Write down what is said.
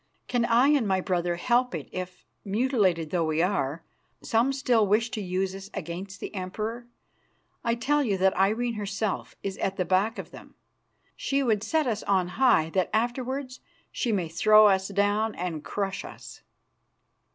Can I and my brethren help it if, mutilated though we are, some still wish to use us against the Emperor? I tell you that Irene herself is at the back of them. She would set us on high that afterwards she may throw us down and crush us."